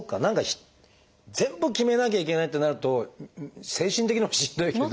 全部決めなきゃいけないってなると精神的にもしんどいけど。